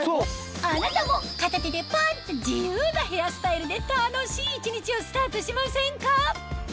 あなたも片手でポン‼と自由なヘアスタイルで楽しい１日をスタートしませんか？